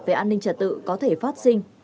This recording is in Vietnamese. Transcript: về an ninh trả tự có thể phát sinh